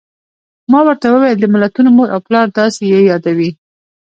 ما ورته وویل: د ملتونو مور او پلار، داسې یې یادوي.